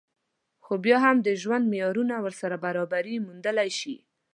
خو بيا هم د ژوند معيارونه ورسره برابري موندلی شي